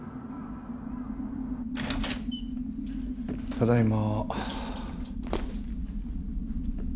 ただいま。